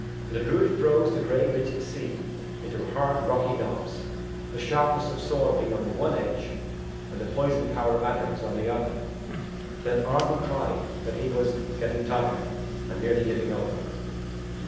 And the druid froze the grey ridged sea into hard rocky knobs, the sharpness of sword being on the one edge and the poison power of adders on the other. Then Arden cried that he was getting tired, and nearly giving over.